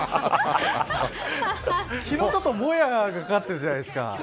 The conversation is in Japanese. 昨日はちょっともやがかかっていたじゃないですか。